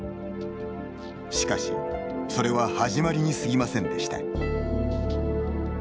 しかし、それは始まりに過ぎませんでした。